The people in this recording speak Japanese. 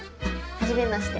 はじめまして。